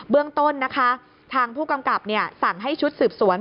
เรื่องต้นนะคะทางผู้กำกับสั่งให้ชุดสืบสวน